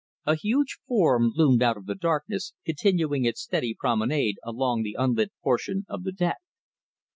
A huge form loomed out of the darkness, continuing its steady promenade along the unlit portion of the deck.